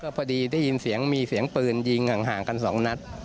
พอดีได้ยินเสียงมีเสียงปืนยิงห่างกัน๒นัด